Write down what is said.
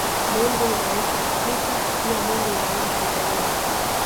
Mungu ibariki Afrika pia Mungu ibariki Tanzania